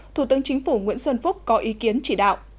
thủ tướng chính phủ nguyễn xuân phúc có ý kiến chỉ đạo